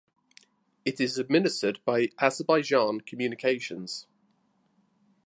It is administered by Azerbaijan Communications.